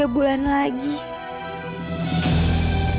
aku gak mau bikin kamu sedih